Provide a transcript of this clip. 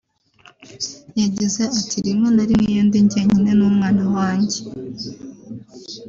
yagize ati “Rimwe na rimwe iyo ndi njye nyine n’umwana wanjye